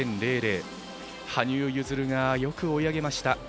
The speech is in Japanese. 羽生結弦がよく追い上げました。